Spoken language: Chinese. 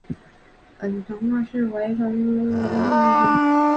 滇越省藤为省藤属泽生藤的一个变种或只是异名。